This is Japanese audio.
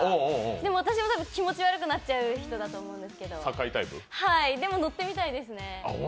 でも気持ち悪くなっちゃう人だと思うんですけどでも乗ってみたいですね。